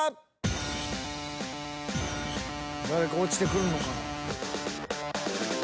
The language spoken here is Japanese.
誰か落ちてくるのかな。